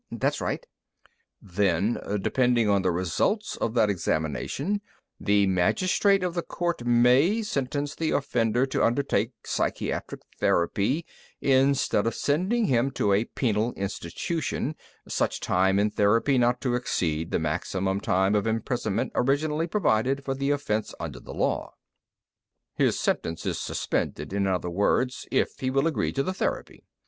"That's right." "Then, depending on the result of that examination, the magistrate of the court may sentence the offender to undertake psychiatric therapy instead of sending him to a penal institution, such time in therapy not to exceed the maximum time of imprisonment originally provided for the offense under the law. "His sentence is suspended, in other words, if he will agree to the therapy.